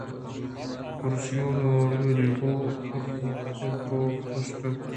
کُرسی ءُ الماڑی ءُ دگہ ازباب است اِتنت